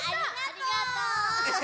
ありがとう！